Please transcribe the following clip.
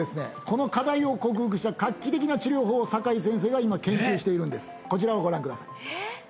この課題を克服した画期的な治療法を酒井先生が今研究しているんですこちらをご覧ください